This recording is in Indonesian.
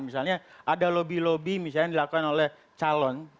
misalnya ada lobby lobby misalnya yang dilakukan oleh calon